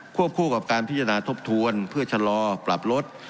วบคู่กับการพิจารณาทบทวนเพื่อชะลอปรับลด